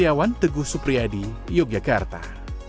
ketiawan teguh supriyadi yogyakarta